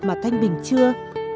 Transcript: mà thanh bình chưa